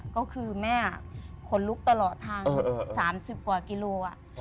ก็คือแม่ขนลุกตลอดทาง๓๐กว่ากิโล